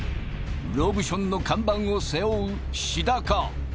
ロブションの看板を背負う志田か？